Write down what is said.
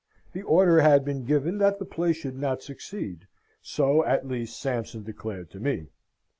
The order had been given that the play should not succeed; so at least Sampson declared to me.